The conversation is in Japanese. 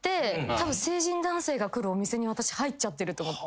たぶん成人男性が来るお店に私入っちゃってると思って。